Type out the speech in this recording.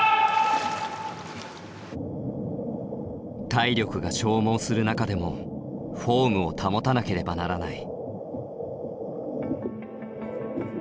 体力が消耗する中でもフォームを保たなければならない。